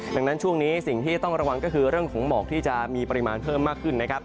ดังนั้นช่วงนี้สิ่งที่ต้องระวังก็คือเรื่องของหมอกที่จะมีปริมาณเพิ่มมากขึ้นนะครับ